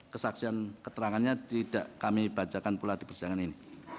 kesaksian keterangannya tidak kami bacakan pula di persidangan ini